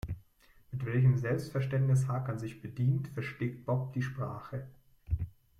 Mit welchem Selbstverständnis Hakan sich bedient, verschlägt Bob die Sprache.